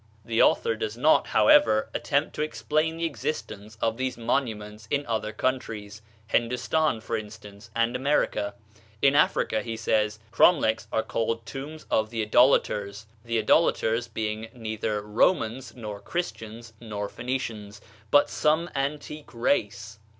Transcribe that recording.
The author does not, however, attempt to explain the existence of these monuments in other countries Hindostan, for instance, and America. "In Africa," he says, "cromlechs are called tombs of the idolaters" the idolaters being neither Romans, nor Christians, nor Phoenicians, but some antique race.